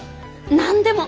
何でも！